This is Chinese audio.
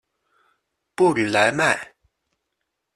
布吕莱迈。